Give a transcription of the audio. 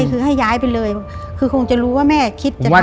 คือให้ย้ายไปเลยคือคงจะรู้ว่าแม่คิดจะทำ